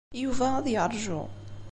Yuba ad yeṛju.